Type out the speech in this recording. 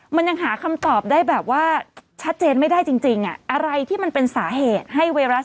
มันยังหาคำตอบได้แบบว่าชัดเจนไม่ได้จริงอะไรที่มันเป็นสาเหตุให้ไวรัส